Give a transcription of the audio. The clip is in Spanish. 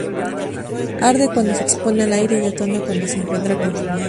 Arde cuando se expone al aire y detona cuando se encuentra confinada.